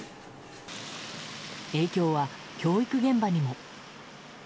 影響は教育現場にも。